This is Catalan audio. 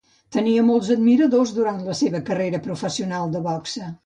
Tenia molts admiradors durant la seva carrera professional de boxe.